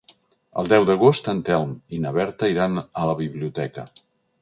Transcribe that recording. El deu d'agost en Telm i na Berta iran a la biblioteca.